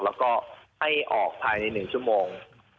แล้วก็ให้ออกภายใน๑ชั่วโมง